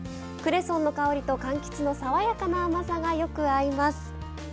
クレソンの香りとかんきつの爽やかな甘さがよく合います。